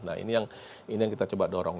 nah ini yang kita coba dorong